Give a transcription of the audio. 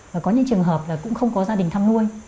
và có những trường hợp là cũng không có gia đình thăm nuôi